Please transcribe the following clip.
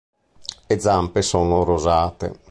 Le zampe sono rosate.